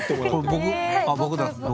僕だ。